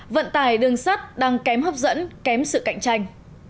vận tải đường sắt đang kém hấp dẫn kém sự cạnh tranh